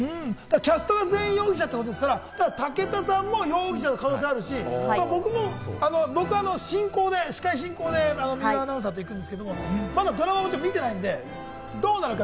キャストが全員容疑者ってことですから武田さんも容疑者の可能性があるし、僕は進行で司会進行で、水卜アナウンサーといるんですけれども、ドラマはまだちょっと見てないんで、どうなるか？